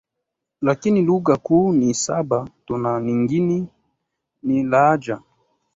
lakini lugha kuu ni saba tu na nyingine ni lahaja